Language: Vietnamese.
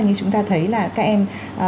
như chúng ta thấy là các em